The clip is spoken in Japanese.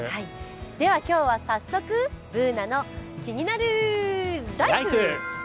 では、今日は早速、「ＢｏｏｎａのキニナルＬＩＦＥ」。